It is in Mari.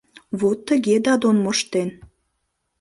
Вот тыге Дадон моштен